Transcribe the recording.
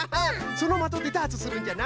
そのまとでダーツするんじゃな。